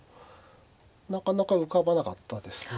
なかなか浮かばなかったですね